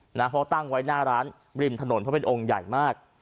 เพราะตั้งไว้หน้าร้านริมถนนเพราะเป็นองค์ใหญ่มาก